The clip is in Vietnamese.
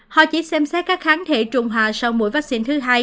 họ chỉ xem xét các kháng thể trung hòa sau mũi vaccine thứ hai